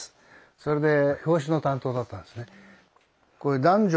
それで表紙の担当だったんですね。